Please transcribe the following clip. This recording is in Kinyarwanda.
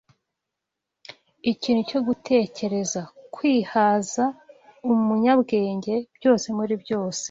Ikintu cyo gutekereza, kwihaza, Umunyabwenge Byose-muri-byose!